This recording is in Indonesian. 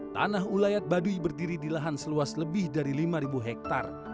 tanah ulayat baduy berdiri di lahan seluas lebih dari lima hektare